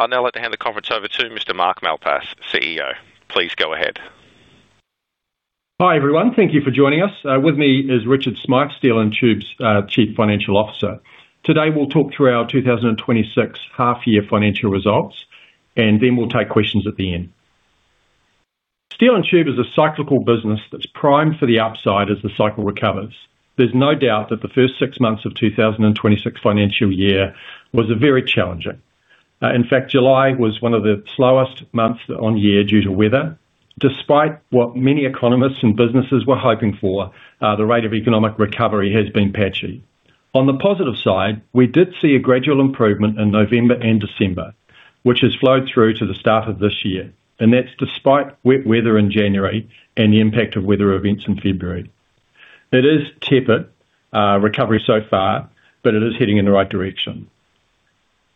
I'll now like to hand the conference over to Mr. Mark Malpass, CEO. Please go ahead. Hi, everyone. Thank you for joining us. With me is Richard Smyth, Steel & Tube's Chief Financial Officer. Today, we'll talk through our 2026 Half Year Financial Results, and then we'll take questions at the end. Steel & Tube is a cyclical business that's primed for the upside as the cycle recovers. There's no doubt that the first six months of 2026 financial year was very challenging. In fact, July was one of the slowest months on year due to weather. Despite what many economists and businesses were hoping for, the rate of economic recovery has been patchy. On the positive side, we did see a gradual improvement in November and December, which has flowed through to the start of this year, and that's despite wet weather in January and the impact of weather events in February. It is tepid recovery so far. It is heading in the right direction.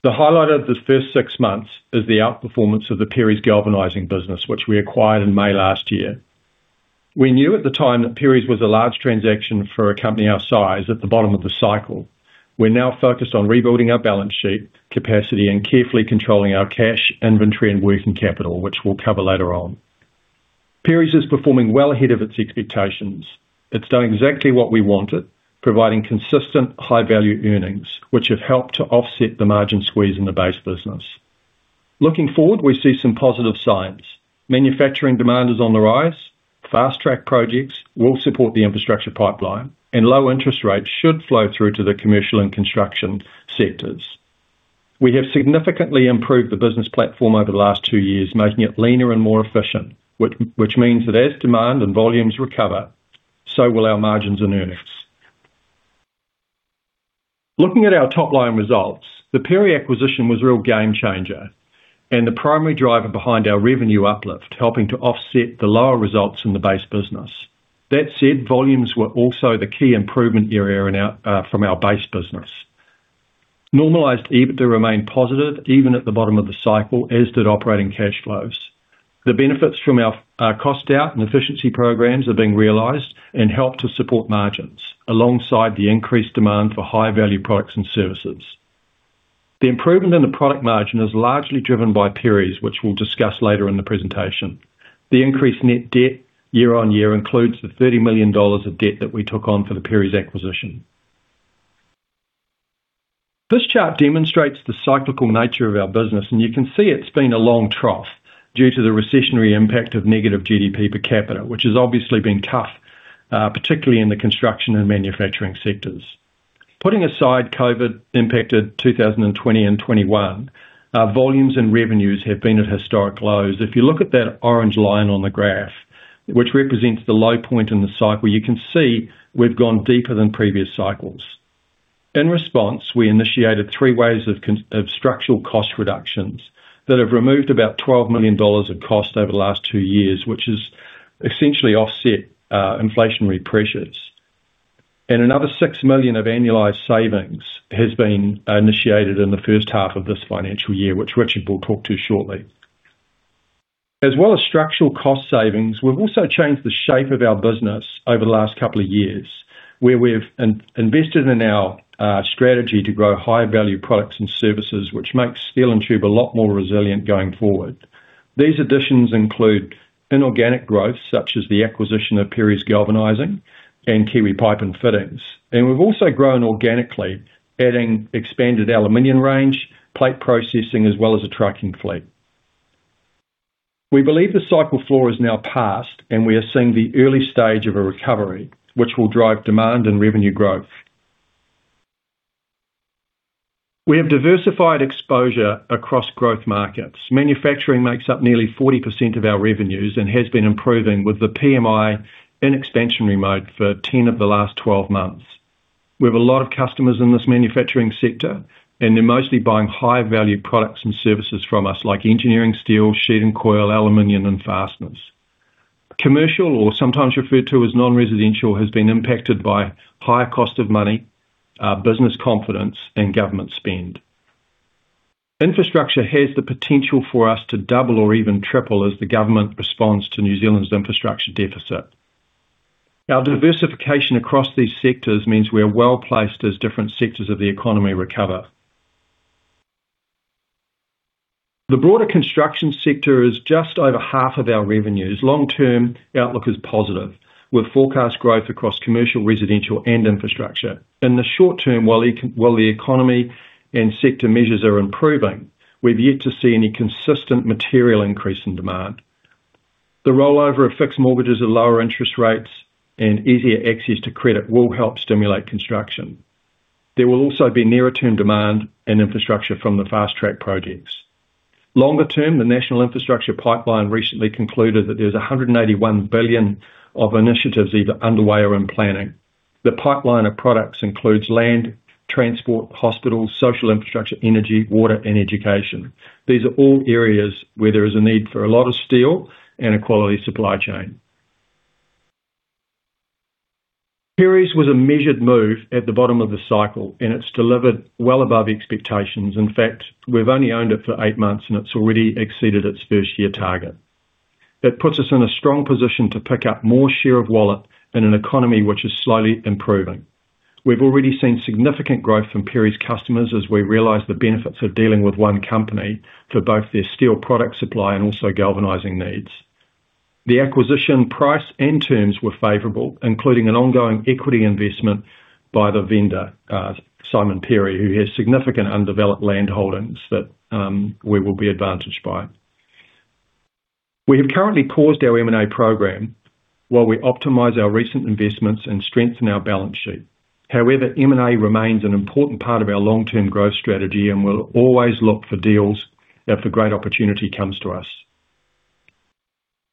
The highlight of the first six months is the outperformance of the Perry's Galvanizing business, which we acquired in May last year. We knew at the time that Perry's was a large transaction for a company our size at the bottom of the cycle. We're now focused on rebuilding our balance sheet capacity and carefully controlling our cash, inventory, and working capital, which we'll cover later on. Perry's is performing well ahead of its expectations. It's done exactly what we wanted, providing consistent, high-value earnings, which have helped to offset the margin squeeze in the base business. Looking forward, we see some positive signs. Manufacturing demand is on the rise, Fast-track projects will support the infrastructure pipeline. Low interest rates should flow through to the commercial and construction sectors. We have significantly improved the business platform over the last two years, making it leaner and more efficient, which means that as demand and volumes recover, so will our margins and earnings. Looking at our top-line results, the Perry acquisition was a real game changer and the primary driver behind our revenue uplift, helping to offset the lower results in the base business. That said, volumes were also the key improvement area in our from our base business. Normalized EBITA remained positive, even at the bottom of the cycle, as did operating cash flows. The benefits from our cost out and efficiency programs are being realized and help to support margins alongside the increased demand for high-value products and services. The improvement in the product margin is largely driven by Perry's, which we'll discuss later in the presentation. The increased net debt year on year includes the 30 million dollars of debt that we took on for the Perry's acquisition. This chart demonstrates the cyclical nature of our business, and you can see it's been a long trough due to the recessionary impact of negative GDP per capita, which has obviously been tough, particularly in the construction and manufacturing sectors. Putting aside COVID-impacted 2020 and 2021, our volumes and revenues have been at historic lows. If you look at that orange line on the graph, which represents the low point in the cycle, you can see we've gone deeper than previous cycles. In response, we initiated three ways of structural cost reductions that have removed about 12 million dollars of cost over the last two years, which has essentially offset inflationary pressures. Another 6 million of annualized savings has been initiated in the first half of this financial year, which Richard will talk to shortly. As well as structural cost savings, we've also changed the shape of our business over the last couple of years, where we've invested in our strategy to grow higher value products and services, which makes Steel & Tube a lot more resilient going forward. These additions include inorganic growth, such as the acquisition of Perry's Galvanizing and Kiwi Pipe & Fittings. We've also grown organically, adding expanded aluminum range, plate processing, as well as a trucking fleet. We believe the cycle floor is now past, and we are seeing the early stage of a recovery, which will drive demand and revenue growth. We have diversified exposure across growth markets. Manufacturing makes up nearly 40% of our revenues and has been improving with the PMI in expansion territory for 10 of the last 12 months. We have a lot of customers in this manufacturing sector, and they're mostly buying high-value products and services from us, like engineering, steel, sheet and coil, aluminum, and fasteners. Commercial or sometimes referred to as non-residential, has been impacted by higher cost of money, business confidence, and government spend. Infrastructure has the potential for us to double or even triple as the government responds to New Zealand's infrastructure deficit. Our diversification across these sectors means we are well-placed as different sectors of the economy recover. The broader construction sector is just over half of our revenues. Long-term outlook is positive, with forecast growth across commercial, residential, and infrastructure. In the short term, while the economy and sector measures are improving, we've yet to see any consistent material increase in demand. The rollover of fixed mortgages at lower interest rates and easier access to credit will help stimulate construction. There will also be nearer term demand and infrastructure from the fast-track projects. Longer term, the national infrastructure pipeline recently concluded that there's 181 billion of initiatives either underway or in planning. The pipeline of products includes land, transport, hospitals, social infrastructure, energy, water, and education. These are all areas where there is a need for a lot of steel and a quality supply chain. Perry's was a measured move at the bottom of the cycle, and it's delivered well above expectations. In fact, we've only owned it for eight months, and it's already exceeded its first-year target. It puts us in a strong position to pick up more share of wallet in an economy which is slowly improving. We've already seen significant growth from Perry's customers as we realize the benefits of dealing with one company for both their steel product supply and also galvanizing needs. The acquisition price and terms were favorable, including an ongoing equity investment by the vendor, Simon Perry, who has significant undeveloped land holdings that we will be advantaged by. We have currently paused our M&A program while we optimize our recent investments and strengthen our balance sheet. M&A remains an important part of our long-term growth strategy, and we'll always look for deals if a great opportunity comes to us.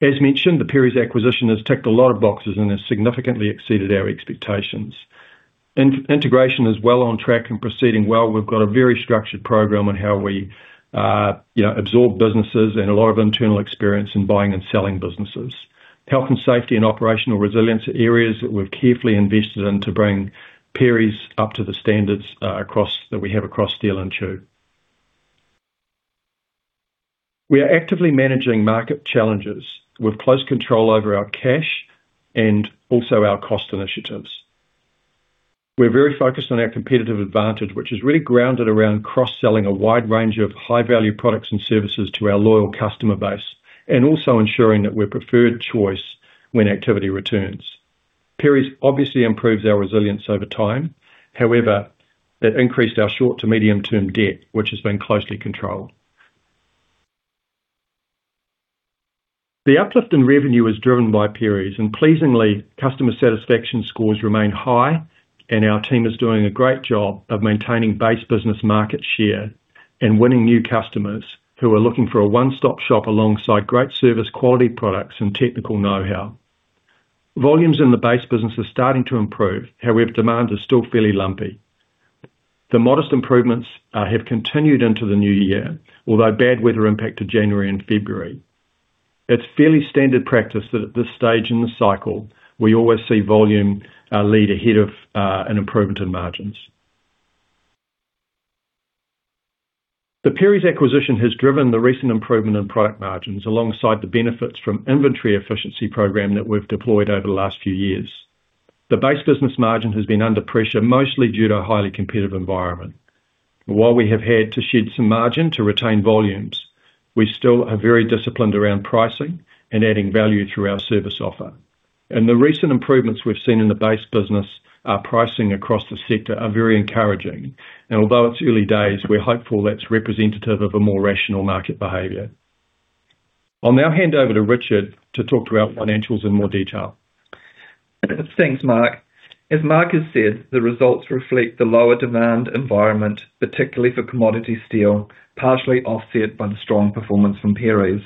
As mentioned, the Perry's acquisition has ticked a lot of boxes and has significantly exceeded our expectations. Integration is well on track and proceeding well. We've got a very structured program on how we, you know, absorb businesses and a lot of internal exPerryence in buying and selling businesses. Health and safety and operational resilience are areas that we've carefully invested in to bring Perry's up to the standards that we have across Steel & Tube. We are actively managing market challenges with close control over our cash and also our cost initiatives. We're very focused on our competitive advantage, which is really grounded around cross-selling a wide range of high-value products and services to our loyal customer base, and also ensuring that we're preferred choice when activity returns. Perry's obviously improves our resilience over time. It increased our short to medium-term debt, which has been closely controlled. The uplift in revenue is driven by Perry's, and pleasingly, customer satisfaction scores remain high, and our team is doing a great job of maintaining base business market share and winning new customers who are looking for a one-stop shop alongside great service, quality products, and technical know-how. Volumes in the base business are starting to improve. However, demand is still fairly lumpy. The modest improvements have continued into the new year, although bad weather impacted January and February. It's fairly standard practice that at this stage in the cycle, we always see volume lead ahead of an improvement in margins. The Perry's acquisition has driven the recent improvement in product margins, alongside the benefits from inventory efficiency program that we've deployed over the last few years. The base business margin has been under pressure, mostly due to a highly competitive environment. While we have had to shed some margin to retain volumes, we still are very disciplined around pricing and adding value through our service offer. The recent improvements we've seen in the base business, our pricing across the sector are very encouraging, and although it's early days, we're hopeful that's representative of a more rational market behavior. I'll now hand over to Richard to talk to our financials in more detail. Thanks, Mark. As Mark has said, the results reflect the lower demand environment, particularly for commodity steel, partially offset by the strong performance from Perry's.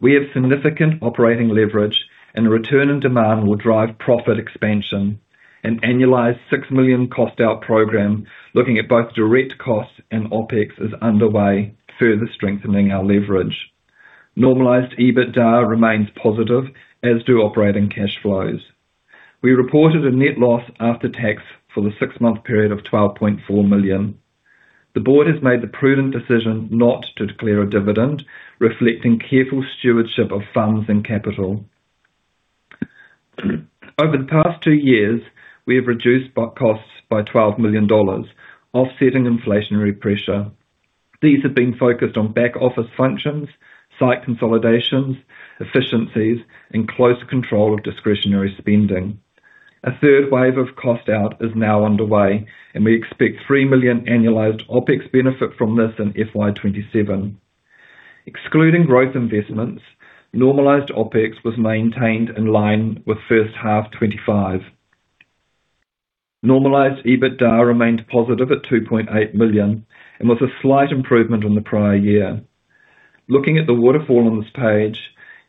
We have significant operating leverage and a return in demand will drive profit expansion. An annualized 6 million cost out program, looking at both direct costs and OpEx is underway, further strengthening our leverage. Normalized EBITDA remains positive, as do operating cash flows. We reported a net loss after tax for the six-month period of 12.4 million. The board has made the prudent decision not to declare a dividend, reflecting careful stewardship of funds and capital. Over the past two years, we have reduced costs by 12 million dollars, offsetting inflationary pressure. These have been focused on back-office functions, site consolidations, efficiencies, and closer control of discretionary spending. A third wave of cost out is now underway, and we expect 3 million annualized OpEx benefit from this in FY 2027. Excluding growth investments, normalized OpEx was maintained in line with first half 2025. Normalized EBITDA remained positive at 2.8 million and was a slight improvement on the prior year. Looking at the waterfall on this page,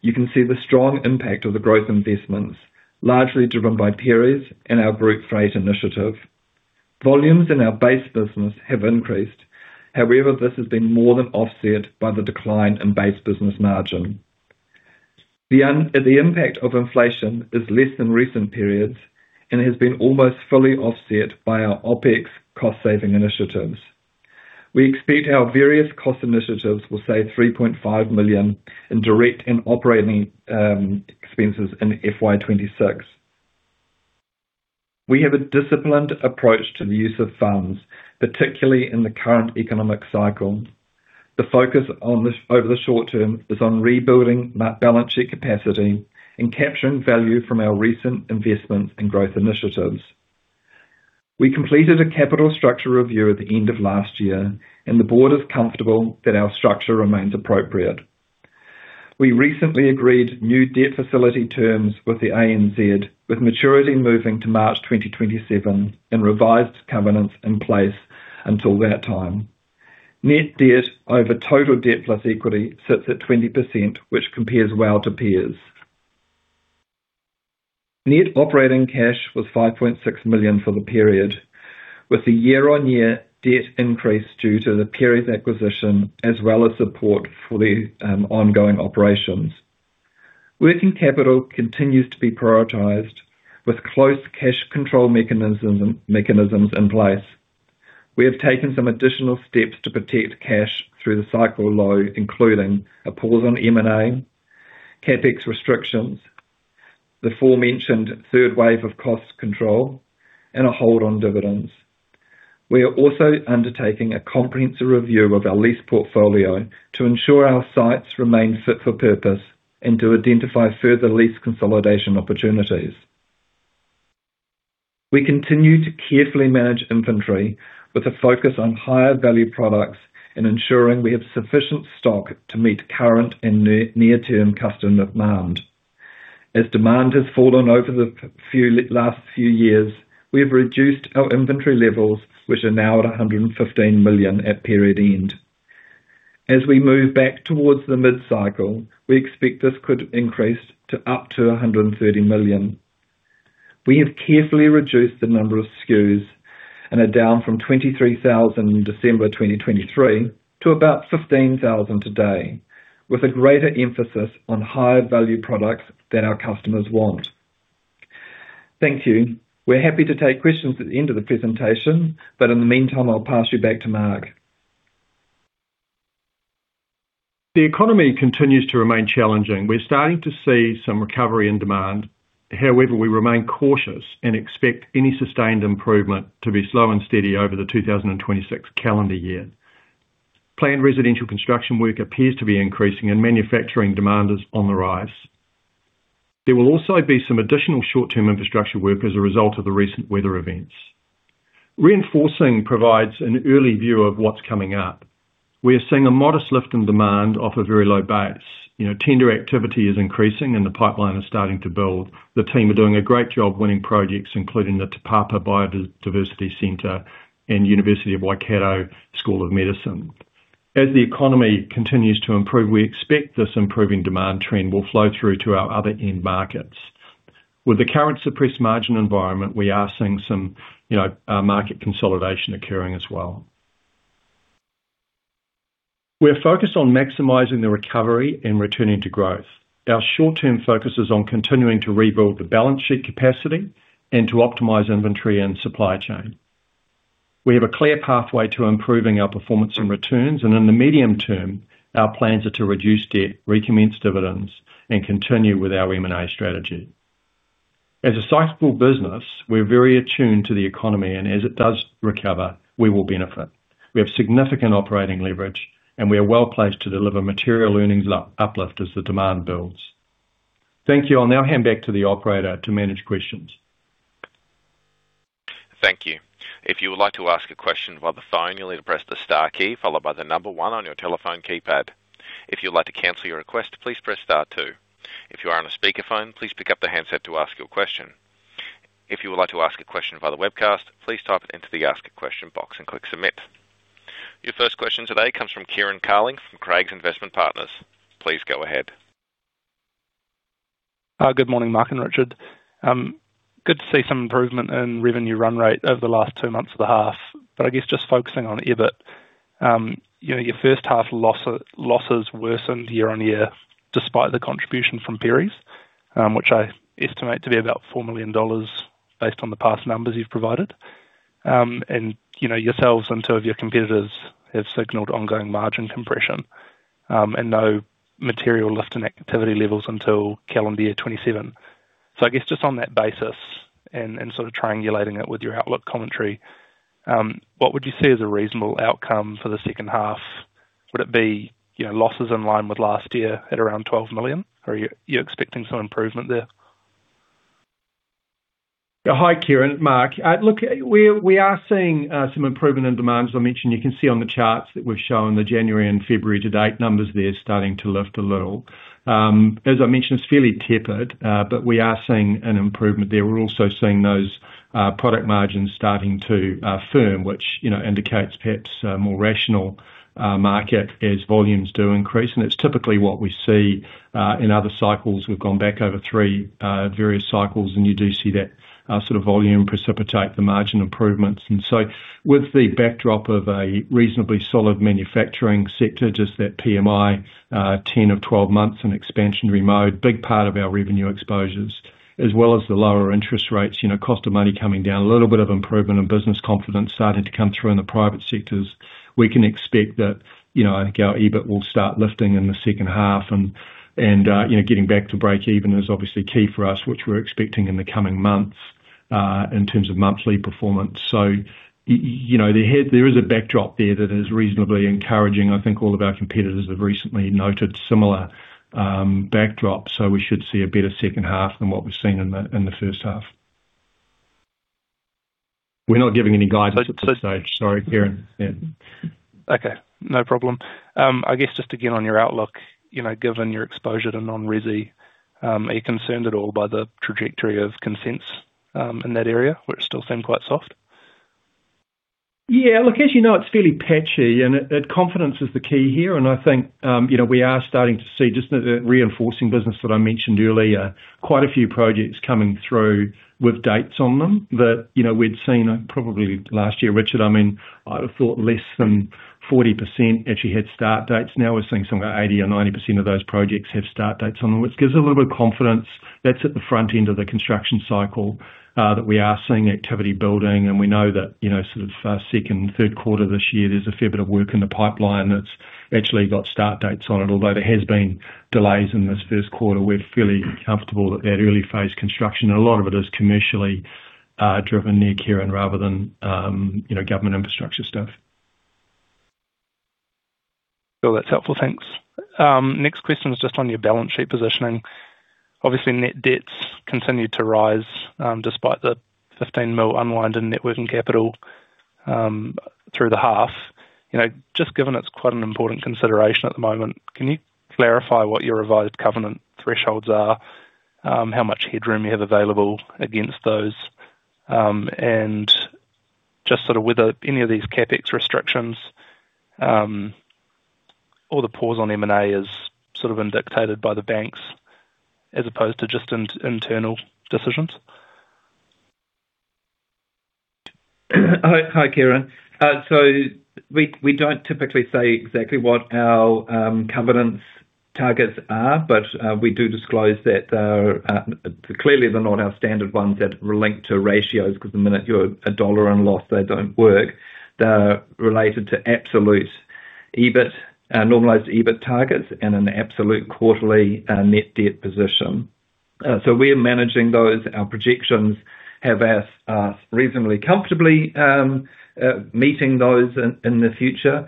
you can see the strong impact of the growth investments, largely driven by Perry's and our group freight initiative. Volumes in our base business have increased. However, this has been more than offset by the decline in base business margin. The impact of inflation is less than recent periods and has been almost fully offset by our OpEx cost-saving initiatives. We expect our various cost initiatives will save 3.5 million in direct and operating expenses in FY26. We have a disciplined approach to the use of funds, particularly in the current economic cycle. The focus over the short term is on rebuilding balance sheet capacity and capturing value from our recent investments and growth initiatives. We completed a capital structure review at the end of last year, and the board is comfortable that our structure remains appropriate. We recently agreed new debt facility terms with the ANZ, with maturity moving to March 2027 and revised covenants in place until that time. Net debt over total debt plus equity sits at 20%, which compares well to peers. Net operating cash was 5.6 million for the period, with the year-on-year debt increase due to the Perry's acquisition, as well as support for the ongoing operations. Working capital continues to be prioritized, with close cash control mechanisms in place. We have taken some additional steps to protect cash through the cycle low, including a pause on M&A, CapEx restrictions, the forementioned third wave of cost control, and a hold on dividends. We are also undertaking a comprehensive review of our lease portfolio to ensure our sites remain fit for purpose and to identify further lease consolidation opportunities. We continue to carefully manage inventory with a focus on higher value products and ensuring we have sufficient stock to meet current and near-term customer demand. As demand has fallen over the last few years, we have reduced our inventory levels, which are now at 115 million at period end. As we move back towards the mid-cycle, we expect this could increase to up to 130 million. We have carefully reduced the number of SKUs and are down from 23,000 in December 2023 to about 15,000 today, with a greater emphasis on higher value products that our customers want. Thank you. We're happy to take questions at the end of the presentation. In the meantime, I'll pass you back to Mark. The economy continues to remain challenging. We're starting to see some recovery in demand. However, we remain cautious and expect any sustained improvement to be slow and steady over the 2026 calendar year. Planned residential construction work appears to be increasing, and manufacturing demand is on the rise. There will also be some additional short-term infrastructure work as a result of the recent weather events. Reinforcing provides an early view of what's coming up. We are seeing a modest lift in demand off a very low base. You know, tender activity is increasing and the pipeline is starting to build. The team are doing a great job winning projects, including the Te Papa Biodiversity Research Centre and University of Waikato School of Medicine. As the economy continues to improve, we expect this improving demand trend will flow through to our other end markets. With the current suppressed margin environment, we are seeing some, you know, market consolidation occurring as well. We are focused on maximizing the recovery and returning to growth. Our short-term focus is on continuing to rebuild the balance sheet capacity and to optimize inventory and supply chain. We have a clear pathway to improving our performance and returns. In the medium term, our plans are to reduce debt, recommence dividends, and continue with our M&A strategy. As a cyclical business, we're very attuned to the economy, and as it does recover, we will benefit. We have significant operating leverage, and we are well placed to deliver material earnings uplift as the demand builds. Thank you. I'll now hand back to the operator to manage questions. Thank you. If you would like to ask a question via the phone, you'll need to press the star key followed by the number one on your telephone keypad. If you'd like to cancel your request, please press star two. If you are on a speakerphone, please pick up the handset to ask your question. If you would like to ask a question via the webcast, please type it into the ask a question box and click submit. Your first question today comes from Kieran Carling from Craigs Investment Partners. Please go ahead. Good morning, Mark and Richard. Good to see some improvement in revenue run rate over the last two months of the half. I guess just focusing on EBIT, you know, your first half losses worsened year-on-year, despite the contribution from Perry's, which I estimate to be about 4 million dollars based on the past numbers you've provided. You know, yourselves and two of your competitors have signaled ongoing margin compression, and no material lift in activity levels until calendar year 2027. I guess just on that basis and sort of triangulating it with your outlook commentary, what would you see as a reasonable outcome for the second half? Would it be, you know, losses in line with last year at around 12 million, or are you expecting some improvement there? Hi, Kieran. Mark. Look, we are seeing some improvement in demands. I mentioned you can see on the charts that we've shown the January and February to date, numbers there starting to lift a little. As I mentioned, it's fairly tepid, but we are seeing an improvement there. We're also seeing those product margins starting to firm, which, you know, indicates perhaps a more rational market as volumes do increase. It's typically what we see in other cycles. We've gone back over three various cycles, and you do see that sort of volume precipitate the margin improvements. With the backdrop of a reasonably solid manufacturing sector, just that PMI, 10-12 months in expansionary mode, big part of our revenue exposures, as well as the lower interest rates, you know, cost of money coming down, a little bit of improvement in business confidence starting to come through in the private sectors. We can expect that, you know, I think our EBIT will start lifting in the second half and, you know, getting back to breakeven is obviously key for us, which we're expecting in the coming months in terms of monthly performance. You know, there is a backdrop there that is reasonably encouraging. I think all of our competitors have recently noted similar backdrops, so we should see a better second half than what we've seen in the first half. We're not giving any guidance at this stage. Sorry, Kieran. Yeah. Okay, no problem. I guess just again on your outlook, you know, given your exposure to non-resi, are you concerned at all by the trajectory of consents, in that area, where it still seem quite soft? Look, as you know, it's fairly patchy and confidence is the key here. I think, you know, we are starting to see just the reinforcing business that I mentioned earlier, quite a few projects coming through with dates on them that, you know, we'd seen probably last year. Richard, I mean, I've thought less than 40% actually had start dates. Now we're seeing somewhere 80% or 90% of those projects have start dates on them, which gives a little bit of confidence. That's at the front end of the construction cycle, that we are seeing activity building, and we know that, you know, sort of, second and third quarter this year, there's a fair bit of work in the pipeline that's actually got start dates on it. Although there has been delays in this first quarter, we're fairly comfortable that that early phase construction, a lot of it is commercially-.... driven near Kieran rather than, you know, government infrastructure stuff. Well, that's helpful. Thanks. Next question is just on your balance sheet positioning. Obviously, net debts continued to rise, despite the 15 million unwinding networking capital through the half. You know, just given it's quite an important consideration at the moment, can you clarify what your revised covenant thresholds are? How much headroom you have available against those, and just sort of whether any of these CapEx restrictions, or the pause on M&A is sort of been dictated by the banks as opposed to just internal decisions? Hi, Kieran. we don't typically say exactly what our covenants targets are, but we do disclose that there are clearly they're not our standard ones that link to ratios, because the minute you're NZD 1 in loss, they don't work. They're related to absolute EBIT, normalized EBIT targets and an absolute quarterly net debt position. we're managing those. Our projections have us reasonably comfortably meeting those in the future.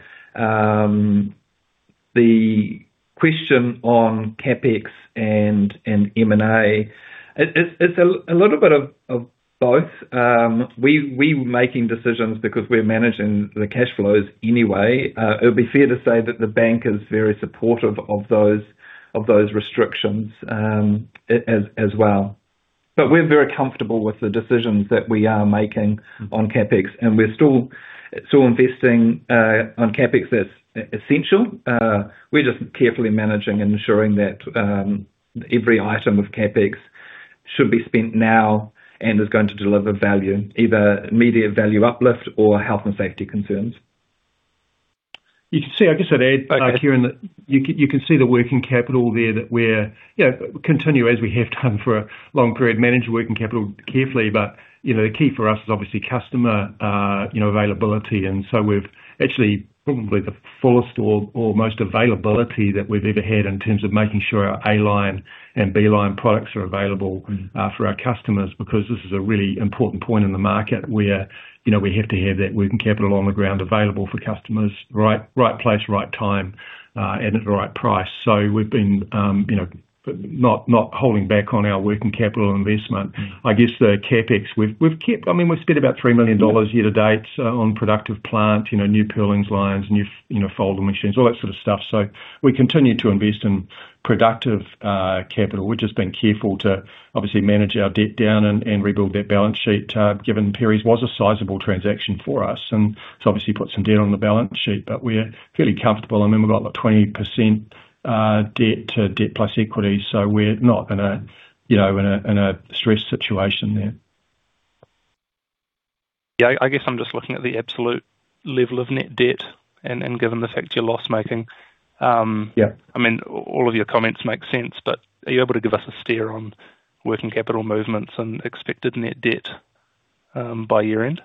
The question on CapEx and M&A, it's a little bit of both. we're making decisions because we're managing the cash flows anyway. it would be fair to say that the bank is very supportive of those restrictions as well. We're very comfortable with the decisions that we are making on CapEx, and we're still investing on CapEx that's essential. We're just carefully managing and ensuring that every item of CapEx should be spent now and is going to deliver value, either immediate value uplift or health and safety concerns. You can see, I guess I'd add, Kieran, that you can see the working capital there that we're, you know, continue, as we have done for a long period, manage working capital carefully. You know, the key for us is obviously customer, you know, availability. We've actually probably the fullest or most availability that we've ever had in terms of making sure our A line and B line products are available for our customers, because this is a really important point in the market where, you know, we have to have that working capital on the ground available for customers, right place, right time, and at the right price. We've been, you know, not holding back on our working capital investment. I guess the CapEx, we've spent about 3 million dollars year to date on productive plant, you know, new peeling lines, new, you know, folding machines, all that sort of stuff. We continue to invest in productive capital. We've just been careful to obviously manage our debt down and rebuild that balance sheet, given Perry's was a sizable transaction for us, and so obviously put some debt on the balance sheet. We're fairly comfortable. I mean, we've got, like, 20% debt to debt plus equity, so we're not in a, you know, in a stressed situation there. I guess I'm just looking at the absolute level of net debt and given the fact you're loss making. Yeah. I mean, all of your comments make sense, but are you able to give us a steer on working capital movements and expected net debt by year-end?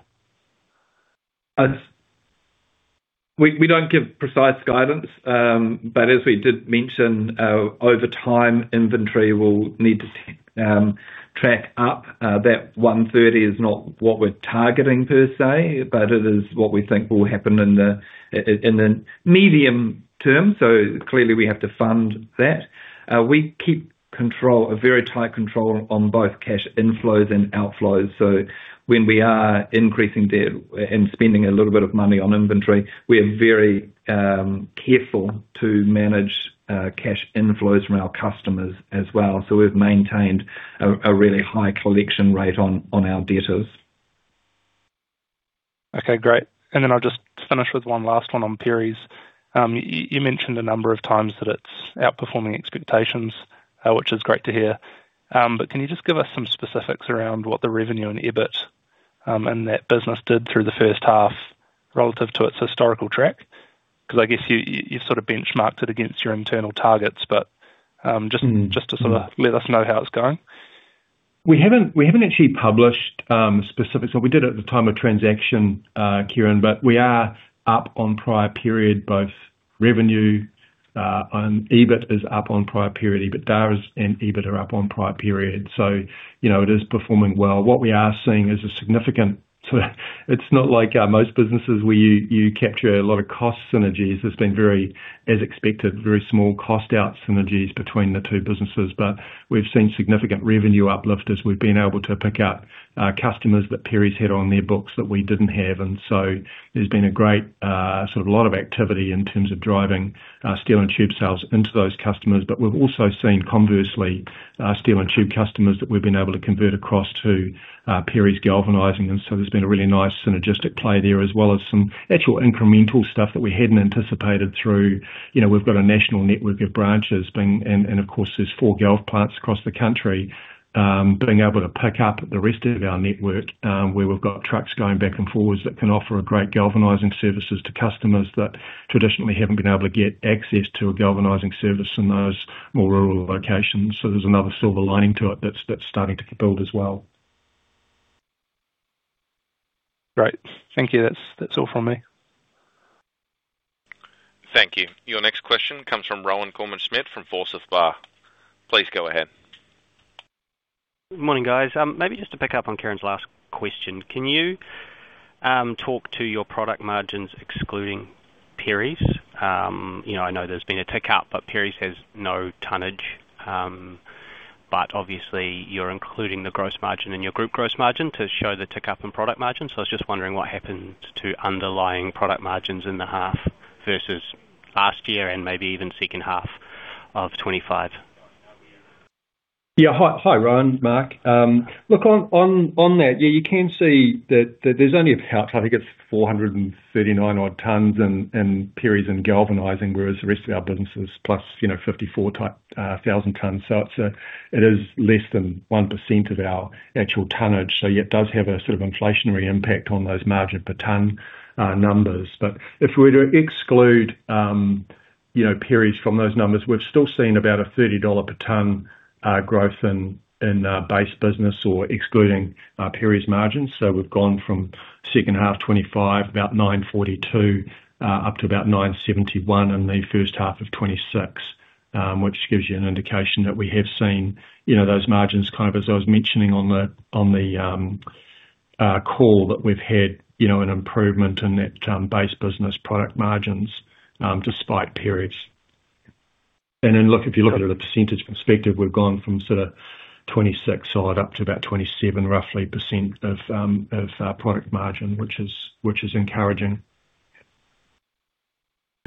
We don't give precise guidance, but as we did mention, over time, inventory will need to track up. That 130 is not what we're targeting per se, but it is what we think will happen in the medium term. Clearly, we have to fund that. We keep control, a very tight control on both cash inflows and outflows. When we are increasing debt and spending a little bit of money on inventory, we are very careful to manage cash inflows from our customers as well. We've maintained a really high collection rate on our debtors. Okay, great. I'll just finish with one last one on Perry's. You mentioned a number of times that it's outperforming expectations, which is great to hear. Can you just give us some specifics around what the revenue and EBIT and that business did through the first half relative to its historical track? I guess you sort of benchmarked it against your internal targets, just. Mm. just to sort of let us know how it's going. We haven't actually published specifics. We did at the time of transaction, Kieran. We are up on prior period, both revenue and EBIT is up on prior period. DARS and EBIT are up on prior period. You know, it is performing well. What we are seeing is a significant... It's not like most businesses where you capture a lot of cost synergies. It's been very, as expected, very small cost out synergies between the two businesses. We've seen significant revenue uplift as we've been able to pick up customers that Perry's had on their books that we didn't have. There's been a great sort of a lot of activity in terms of driving Steel & Tube sales into those customers. We've also seen, conversely, Steel & Tube customers that we've been able to convert across to Perry's galvanizing. There's been a really nice synergistic play there, as well as some actual incremental stuff that we hadn't anticipated through. You know, we've got a national network of branches and of course, there's four coil plants across the country. Being able to pick up the rest of our network, where we've got trucks going back and forwards, that can offer a great galvanizing services to customers that traditionally haven't been able to get access to a galvanizing service in those more rural locations. There's another silver lining to it that's starting to build as well. Great. Thank you. That's all from me. Thank you. Your next question comes from Rohan Koreman-Smit, from Forsyth Barr. Please go ahead. Good morning, guys. Maybe just to pick up on Kieran's last question, can you talk to your product margins excluding Perry's? You know, I know there's been a tick up, Perry's has no tonnage. Obviously you're including the gross margin in your group gross margin to show the tick up in product margin. I was just wondering what happened to underlying product margins in the half versus last year and maybe even second half of 2025. Yeah. Hi, Rohan. Mark. Look, on that, yeah, you can see that there's only about I think it's 439 odd tonnes in Perry's and galvanizing, whereas the rest of our business is plus, you know, 54,000 tonnes. It is less than 1% of our actual tonnage, so it does have a sort of inflationary impact on those margin per tonne numbers. If we were to exclude, you know, Perry's from those numbers, we've still seen about a 30 dollar per tonne growth in base business or excluding Perry's margins. We've gone from second half 2025, about 942, up to about 971 in the first half of 2026, which gives you an indication that we have seen, you know, those margins kind of, as I was mentioning on the call, that we've had, you know, an improvement in that base business product margins, despite periods. Look, if you look at it at a percentage perspective, we've gone from sort of 26% odd up to about 27%, roughly, of our product margin, which is, which is encouraging.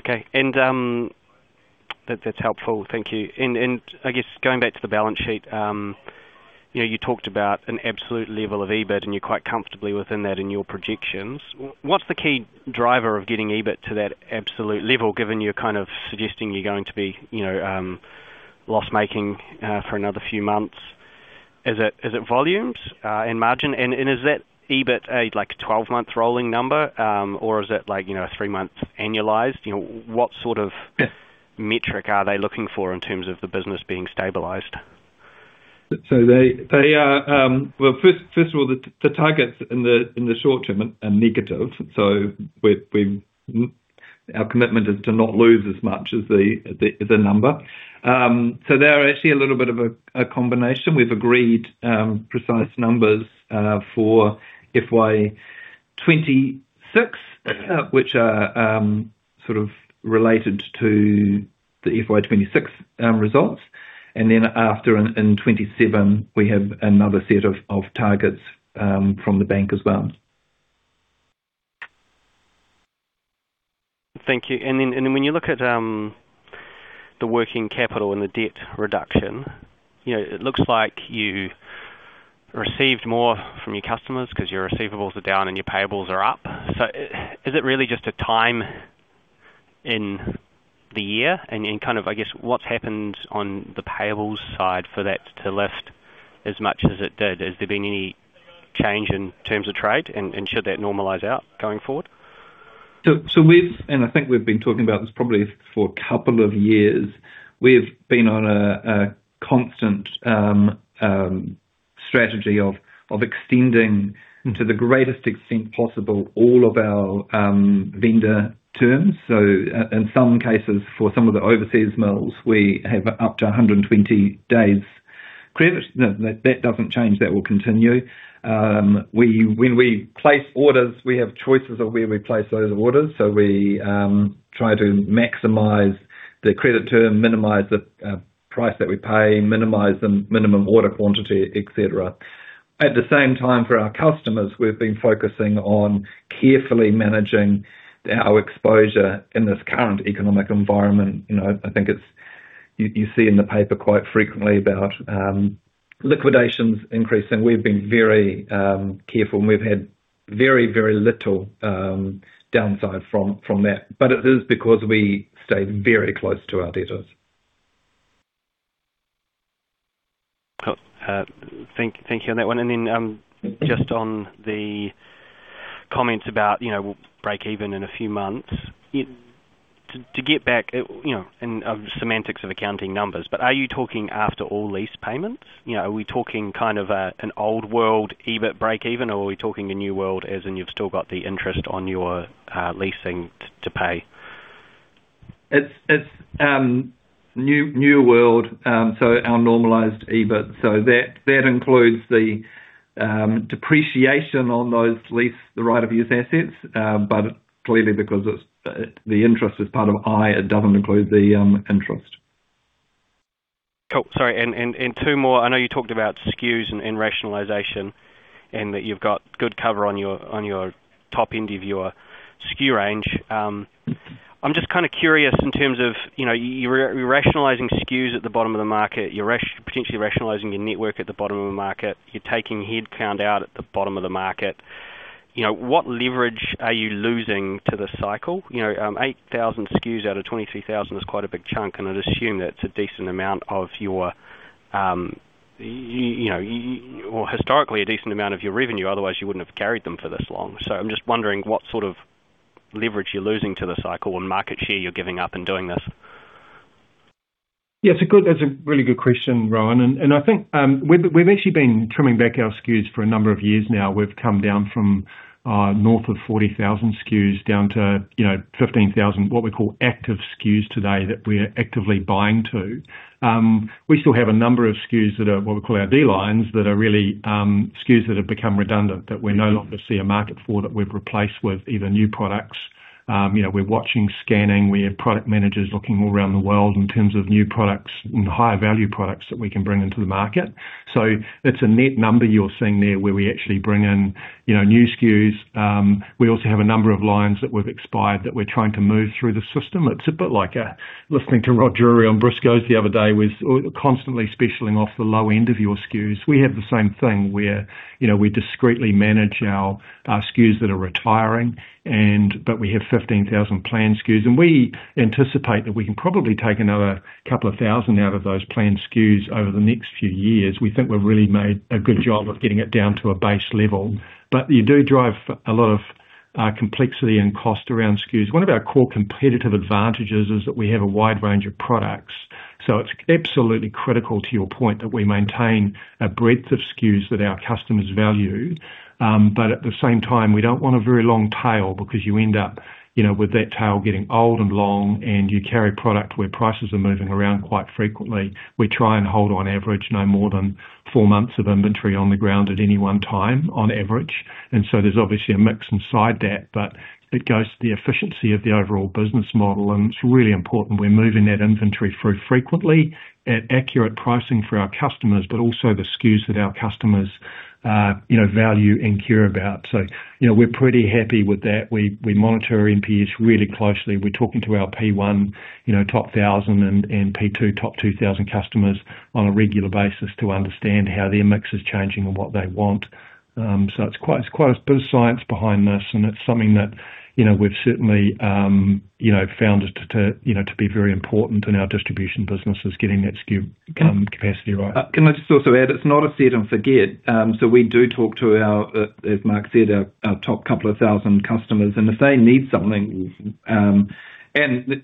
Okay. That's helpful. Thank you. I guess going back to the balance sheet, you know, you talked about an absolute level of EBIT and you're quite comfortably within that in your projections. What's the key driver of getting EBIT to that absolute level, given you're kind of suggesting you're going to be, you know, loss-making for another few months? Is it volumes and margin? Is that EBIT a, like, a 12-month rolling number, or is it like, you know, a three-month annualized? You know, what sort of metric are they looking for in terms of the business being stabilized? They are... well, first of all, the targets in the short term are negative, so our commitment is to not lose as much as the number. They are actually a little bit of a combination. We've agreed precise numbers for FY26, which are sort of related to the FY26 results. After in 2027, we have another set of targets from the bank as well. Thank you. When you look at, the working capital and the debt reduction, you know, it looks like you received more from your customers 'cause your receivables are down and your payables are up. Is it really just a time in the year and kind of, I guess, what's happened on the payables side for that to lift as much as it did? Has there been any change in terms of trade, should that normalize out going forward? I think we've been talking about this probably for a couple of years. We've been on a constant strategy of extending to the greatest extent possible, all of our vendor terms. In some cases, for some of the overseas mills, we have up to 120 days credit. That doesn't change. That will continue. We, when we place orders, we have choices of where we place those orders, so we try to maximize the credit term, minimize the price that we pay, minimize the minimum order quantity, et cetera. At the same time, for our customers, we've been focusing on carefully managing our exposure in this current economic environment. You know, I think it's, you see in the paper quite frequently about liquidations increasing. We've been very careful, and we've had very little downside from that, but it is because we stayed very close to our debtors. Cool. Thank you on that one. Just on the comments about, you know, break even in a few months. To get back, you know, and of semantics of accounting numbers, but are you talking after all lease payments? You know, are we talking kind of, an old world, EBIT break even, or are we talking a new world, as in you've still got the interest on your, leasing to pay? It's new world. Our normalized EBIT. That includes the depreciation on those lease, the right-of-use assets, clearly because it's the interest is part of I, it doesn't include the interest. Cool. Sorry, two more. I know you talked about SKUs and rationalization and that you've got good cover on your top end of your SKU range. I'm just kind of curious in terms of, you know, you're rationalizing SKUs at the bottom of the market, you're potentially rationalizing your network at the bottom of the market, you're taking head count out at the bottom of the market. You know, what leverage are you losing to the cycle? You know, 8,000 SKUs out of 23,000 is quite a big chunk, and I'd assume that it's a decent amount of your, you know, or historically a decent amount of your revenue, otherwise you wouldn't have carried them for this long. I'm just wondering what sort of leverage you're losing to the cycle and market share you're giving up in doing this?... Yeah, it's a good, that's a really good question, Rohan. I think, we've actually been trimming back our SKUs for a number of years now. We've come down from north of 40,000 SKUs down to, you know, 15,000, what we call active SKUs today, that we're actively buying to. We still have a number of SKUs that are, what we call our D lines, that are really SKUs that have become redundant, that we no longer see a market for, that we've replaced with either new products. You know, we're watching, scanning, we have product managers looking all around the world in terms of new products and higher value products that we can bring into the market. It's a net number you're seeing there, where we actually bring in, you know, new SKUs. We also have a number of lines that we've expired, that we're trying to move through the system. It's a bit like listening to Rod Drury on Briscoes the other day, was constantly specialing off the low end of your SKUs. We have the same thing where, you know, we discreetly manage our SKUs that are retiring. We have 15,000 plan SKUs, and we anticipate that we can probably take another couple of thousand out of those plan SKUs over the next few years. We think we've really made a good job of getting it down to a base level. You do drive a lot of complexity and cost around SKUs. One of our core competitive advantages is that we have a wide range of products. It's absolutely critical to your point, that we maintain a breadth of SKUs that our customers value. At the same time, we don't want a very long tail because you end up, you know, with that tail getting old and long, and you carry product where prices are moving around quite frequently. We try and hold, on average, no more than four months of inventory on the ground at any one time, on average. There's obviously a mix inside that, but it goes to the efficiency of the overall business model, and it's really important we're moving that inventory through frequently at accurate pricing for our customers, but also the SKUs that our customers, you know, value and care about. You know, we're pretty happy with that. We monitor NPS really closely. We're talking to our P1, you know, top 1,000, and P2, top 2,000 customers on a regular basis to understand how their mix is changing and what they want. It's quite a bit of science behind this, and it's something that, you know, we've certainly, you know, found it to, you know, to be very important in our distribution business, is getting that SKU capacity right. Can I just also add, it's not a set and forget. We do talk to our, as Mark said, our top couple of 1,000 customers, and if they need something, and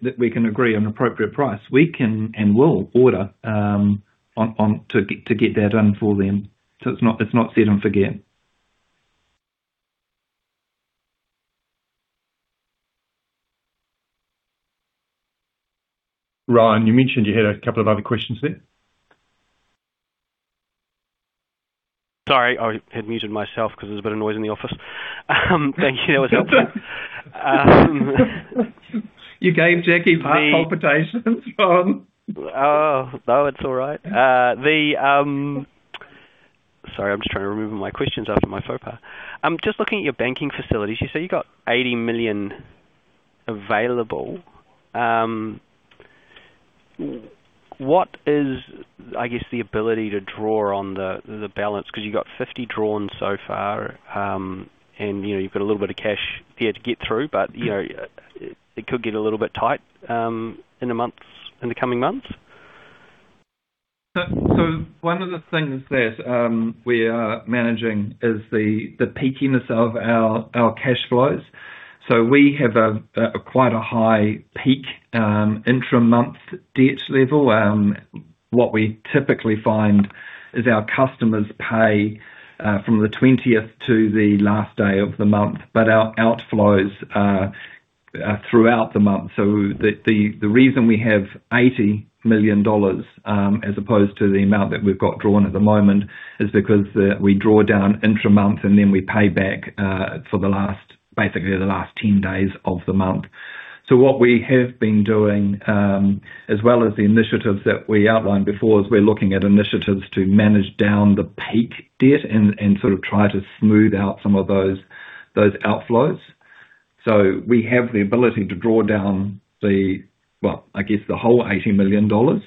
that we can agree on an appropriate price, we can and will order on to get that in for them. It's not set and forget. Rohan, you mentioned you had a couple of other questions there? Sorry, I had muted myself because there was a bit of noise in the office. Thank you. That was helpful. You gave Jackie heart palpitations, Rohan. Oh, no, it's all right. Sorry, I'm just trying to remember my questions after my faux pas. Just looking at your banking facilities, you say you got 80 million available. What is, I guess, the ability to draw on the balance? You've got 50 drawn so far, and, you know, you've got a little bit of cash there to get through, but, you know, it could get a little bit tight, in the months, in the coming months. One of the things that we are managing is the peakiness of our cash flows. We have quite a high peak intra month debt level. What we typically find is our customers pay from the 20th to the last day of the month, but our outflows are throughout the month. The reason we have 80 million dollars as opposed to the amount that we've got drawn at the moment, is because we draw down intra month, and then we pay back for basically the last 10 days of the month. What we have been doing, as well as the initiatives that we outlined before, is we're looking at initiatives to manage down the peak debt and sort of try to smooth out some of those outflows. We have the ability to draw down the whole 80 million dollars,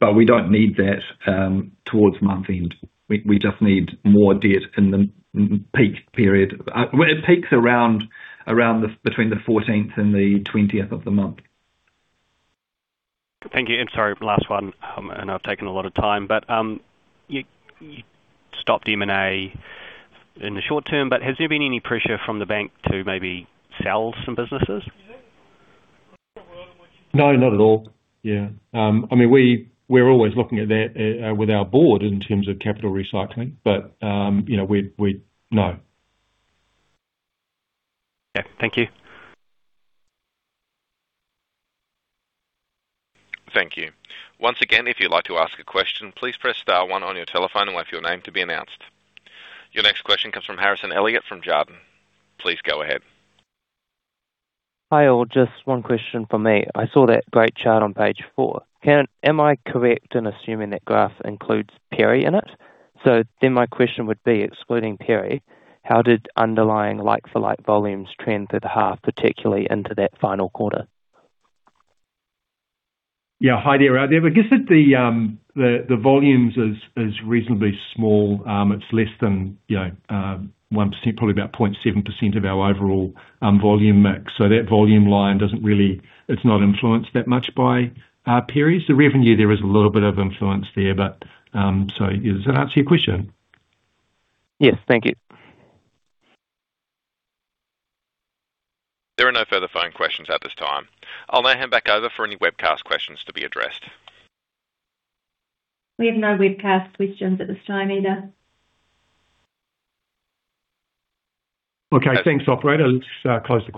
but we don't need that towards month-end. We just need more debt in the peak period. well, it peaks around the between the 14th and the 20th of the month. Thank you. Sorry, last one, and I've taken a lot of time, but you stopped M&A in the short term, but has there been any pressure from the bank to maybe sell some businesses? No, not at all. Yeah. I mean, we're always looking at that, with our board in terms of capital recycling, but, you know, we, no. Yeah. Thank you. Thank you. Once again, if you'd like to ask a question, please press star one on your telephone and wait for your name to be announced. Your next question comes from Harrison Elliott, from Jarden. Please go ahead. Hi, all. Just one question from me. I saw that great chart on Page 4. Am I correct in assuming that graph includes Perry in it? My question would be, excluding Perry, how did underlying like-for-like volumes trend through the half, particularly into that final quarter? Hi there, Harrison. I guess that the volumes is reasonably small. It's less than, you know, 1%, probably about 0.7% of our overall volume mix. That volume line it's not influenced that much by Perry's. The revenue, there is a little bit of influence there, does that answer your question? Yes. Thank you. There are no further phone questions at this time. I'll now hand back over for any webcast questions to be addressed. We have no webcast questions at this time either. Okay. Thanks, operator. Let's close the call.